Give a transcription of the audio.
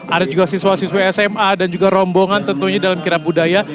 ada juga siswa siswa sma dan juga rombongan tentunya dalam kirap budaya